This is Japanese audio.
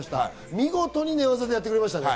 見事に寝技でやってくれましたね。